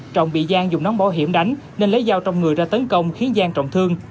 trọng bị giang dùng nón bảo hiểm đánh nên lấy dao trong người ra tấn công khiến giang trọng thương